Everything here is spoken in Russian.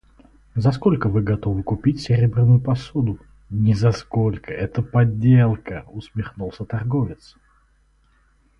«За сколько вы готовы купить серебряную посуду?» — «Ни за сколько, это подделка», усмехнулся торговец.